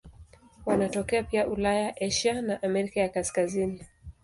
Wanatokea pia Ulaya, Asia na Amerika ya Kaskazini.